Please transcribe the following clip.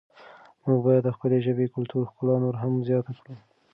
موږ باید د خپلې ژبې کلتوري ښکلا نوره هم زیاته کړو.